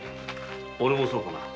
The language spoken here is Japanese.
オレもそうかな？